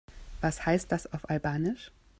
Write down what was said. Was heißt das auf Albanisch?